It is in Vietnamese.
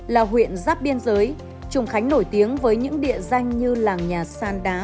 là huyện giáp biên giới trùng khánh nổi tiếng với những địa danh như làng nhà sàn đá